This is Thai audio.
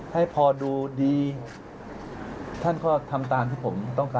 ให้พอดูดีท่านก็ทำตามที่ผมต้องการ